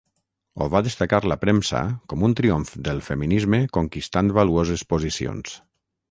Ho va destacar la premsa com un triomf del feminisme conquistant valuoses posicions.